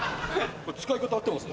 これ使い方合ってます？